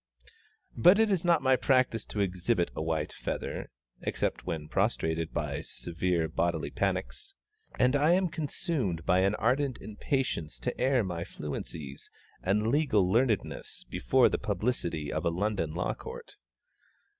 But it is not my practice to exhibit a white feather (except when prostrated by severe bodily panics), and I am consumed by an ardent impatience to air my fluencies and legal learnedness before the publicity of a London Law Court.